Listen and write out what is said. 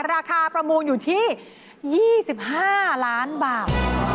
ประมูลอยู่ที่๒๕ล้านบาท